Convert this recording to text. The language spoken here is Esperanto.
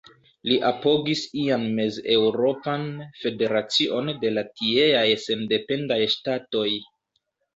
Li apogis ian Mez-Eŭropan Federacion de la tieaj sendependaj ŝtatoj.